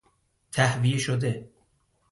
تهویه شده